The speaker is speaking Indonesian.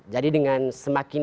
jadi dengan semakin